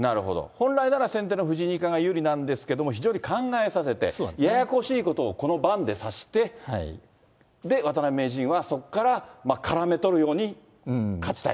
本来なら、先手の藤井二冠が有利なんですけども、非常に考えさせて、ややこしいことをこの盤で指して、で、渡辺名人はそこから絡めとるように勝ちたい？